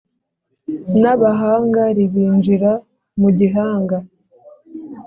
n’abahanga ribinjira mu gihanga